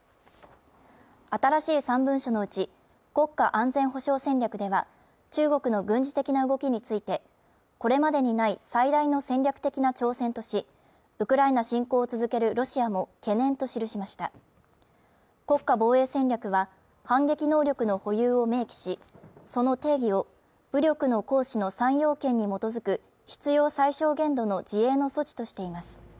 新しい３文書のうち国家安全保障戦略では中国の軍事的な動きについてこれまでにない最大の戦略的な挑戦としウクライナ侵攻を続けるロシアも懸念と記しました国家防衛戦略は反撃能力の保有を明記しその定義を武力の行使の３要件に基づく必要最小限度の自衛の措置としています